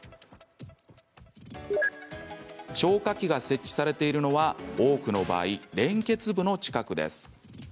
消火器が設置されているのは多くの場合、連結部の近くです。